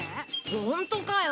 ホントかよ？